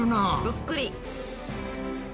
ぷっくり。